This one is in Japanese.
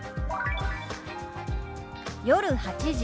「夜８時」。